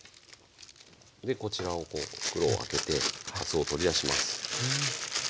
でこちらをこう袋を開けてかつおを取り出します。